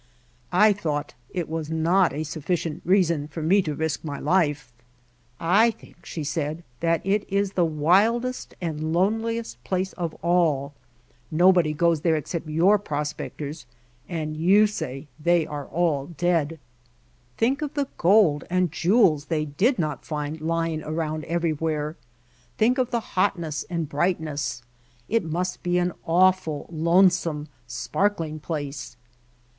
I thought it was not a sufficient reason for me to risk my life. "I think," she said, "that it is the wildest and loneliest place of all. Nobody goes there except your prospectors, and you say they are all dead. [i8] The Feel of the Outdoors Think of the gold and jewels they did not find lying around everywhere. Think of the hot ness and brightness. It must be an awful, lone some, sparkling place."